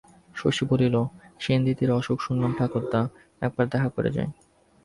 শশী বলিল, সেনদিদির অসুখ শুনলাম ঠাকুরদা, একবার দেখা করে যাই।